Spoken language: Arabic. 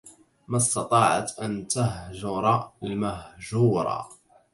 ما استطاعت أن تهجر المهجورا